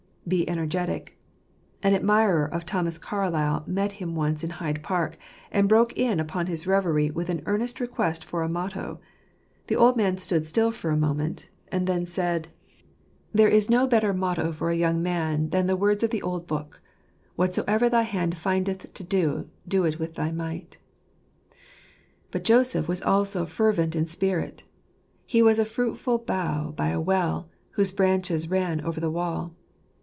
Be energetic . An admirer of Thomas Carlyle met him once in Hyde Park, and broke in upon his reverie with an earnest request for a motto. The old man stood still for a moment, and then said, 122 Jfoaqrfr'* ^irmnnafratrott of %trpt. "There is no better motto for a young man than the words of the old book :' Whatsoever thy hand findeth to do, do it with thy might.'" But Joseph was also fervent in spirit " He was a fruitful bough by a well, whose branches ran over the wall."